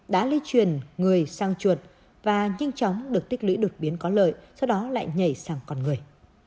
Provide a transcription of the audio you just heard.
đã lây truyền người sang chuột và nhanh chóng được tích lũy đột biến có lợi sau đó lại nhảy sang con người